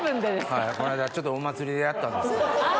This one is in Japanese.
はいこの間ちょっとお祭りでやったんです。